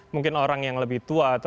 mungkin orang yang lebih tua atau